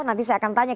nanti saya akan tanya